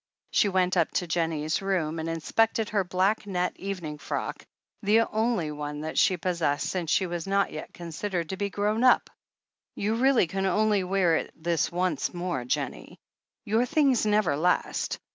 She went up to Jennie's room, and inspected her black net evening frock, the only one that she pos THE HEEL OF ACHILLES 355 sessed, since she was not yet considered to be grown up. "You really can only wear it this once more, Jennie, Your things never last.